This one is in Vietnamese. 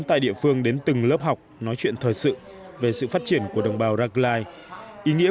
tại địa phương đến từng lớp học nói chuyện thời sự về sự phát triển của đồng bào rackline ý nghĩa